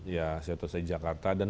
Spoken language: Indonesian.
ya situasi jakarta dan